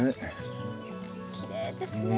きれいですね。